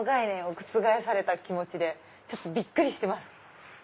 覆された気持ちでちょっとびっくりしてます。